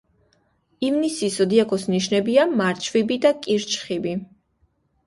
ივნისის ზოდიაქოს ნიშნებია მარჩბივი და კირჩხიბი.